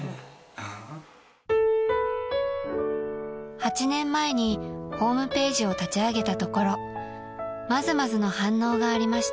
［８年前にホームページを立ち上げたところまずまずの反応がありました］